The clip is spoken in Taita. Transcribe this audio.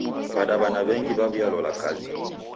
W'adaw'ana w'engi w'aw'ialola kazi.